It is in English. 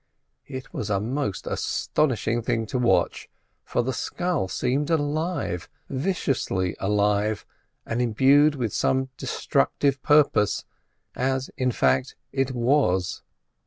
It was a most astonishing thing to watch, for the scull seemed alive—viciously alive, and imbued with some destructive purpose; as, in fact, it was.